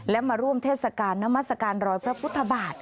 และมาร่วมเทศกาลนมัศกาลรอยพระพุทธบาท